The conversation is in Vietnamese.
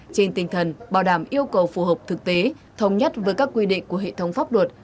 trên tinh thần bảo đảm yêu cầu phù hợp thực tế thống nhất với các quy định của hệ thống pháp luật